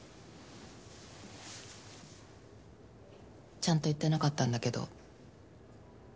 ちゃんと言ってなかったんだけど。